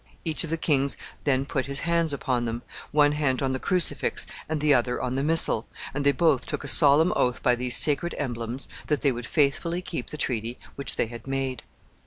Each of the kings then put his hands upon them one hand on the crucifix and the other on the missal and they both took a solemn oath by these sacred emblems that they would faithfully keep the treaty which they had made.